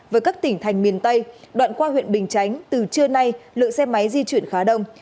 với các tỉnh thành miền tây đoạn qua huyện bình chánh từ trưa nay lượng xe máy di chuyển khá đông